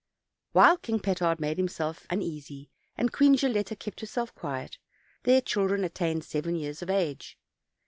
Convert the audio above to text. While King Petard made himself uneasy, and Queen Gilletta kept herself quiet, their children attained seven years of age.